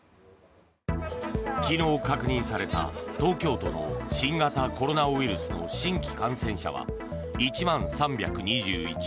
昨日確認された東京都の新型コロナウイルスの新規感染者は１万３２１人。